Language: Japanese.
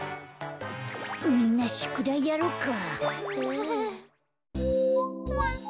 みんなしゅくだいやろうか。